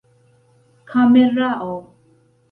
kamerao